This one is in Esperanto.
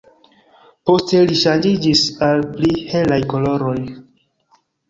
Poste li ŝanĝiĝis al pli helaj koloroj.